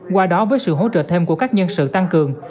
qua đó với sự hỗ trợ thêm của các nhân sự tăng cường